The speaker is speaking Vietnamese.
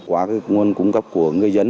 qua cái nguồn cung cấp của người dân